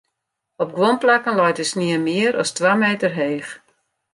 Op guon plakken leit de snie mear as twa meter heech.